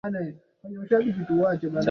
Tamasha limeanza.